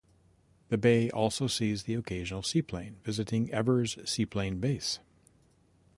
The bay also sees the occasional seaplane, visiting Evers Seaplane Base.